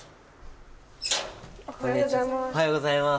おはようございます。